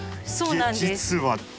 そうなんです。